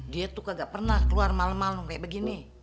dia tuh gak pernah keluar malem malem kayak begini